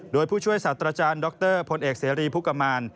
โดยผู้ช่วยศาสตราจารย์ดรพลเอกเสรีพุกมาร